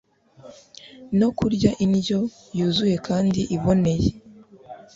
no kurya indyo yuzuye kandi iboneye